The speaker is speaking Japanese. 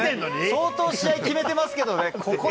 相当試合決めてますけどね。